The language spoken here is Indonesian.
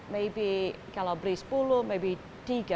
mungkin kalau beli sepuluh mungkin tiga